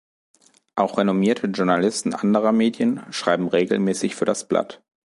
Auch renommierte Journalisten anderer Medien schreiben regelmäßig für das Blatt.